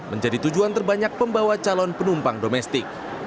menjadi tujuan terbanyak pembawa calon penumpang domestik